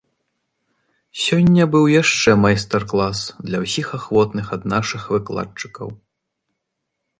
Сёння быў яшчэ майстар-клас для ўсіх ахвотных ад нашых выкладчыкаў.